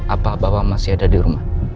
apa bahwa masih ada di rumah